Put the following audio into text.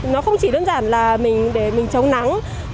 nó không chỉ đơn giản là mình để mình chống nắng